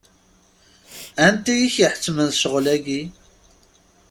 Anti i k-iḥettmen ccɣel-agi?